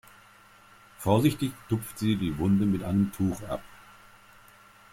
Vorsichtig tupft sie die Wunde mit einem Tuch ab.